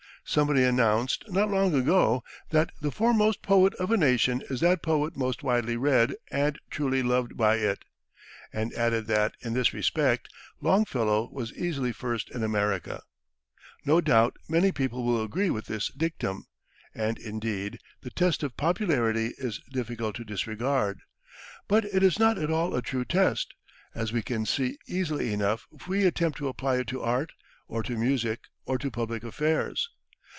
Somebody announced, not long ago, that "the foremost poet of a nation is that poet most widely read and truly loved by it," and added that, in this respect, Longfellow was easily first in America. No doubt many people will agree with this dictum; and, indeed, the test of popularity is difficult to disregard. But it is not at all a true test, as we can see easily enough if we attempt to apply it to art, or to music, or to public affairs.